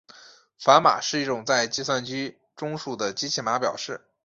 反码是一种在计算机中数的机器码表示。